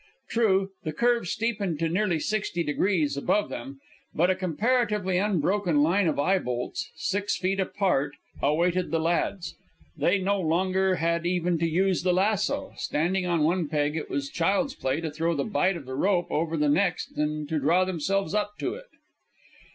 True, the curve steepened to nearly sixty degrees above them, but a comparatively unbroken line of eye bolts, six feet apart, awaited the lads. They no longer had even to use the lasso. Standing on one peg it was child's play to throw the bight of the rope over the next and to draw themselves up to it.